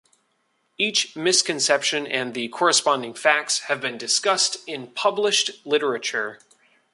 Each misconception and the corresponding facts have been discussed in published literature.